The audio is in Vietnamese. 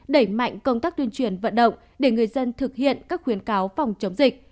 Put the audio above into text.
đẩy mạnh công tác tuyên truyền vận động để người dân thực hiện các khuyến cáo phòng chống dịch